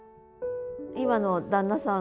今の旦那さん